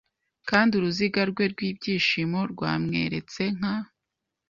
Kandi uruziga rwe rw'ibyishimo rwamweretse nka